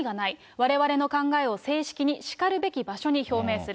われわれの考えを正式にしかるべき場所に表明する。